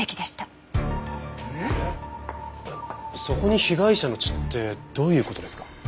そこに被害者の血ってどういう事ですか？